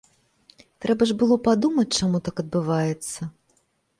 Трэба ж было падумаць, чаму так адбываецца?